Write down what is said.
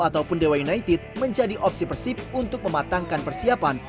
ataupun dewa united menjadi opsi persib untuk mematangkan persiapan